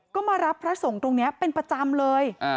ก็มารับพระสงฆ์ตรงนี้เป็นประจำเลย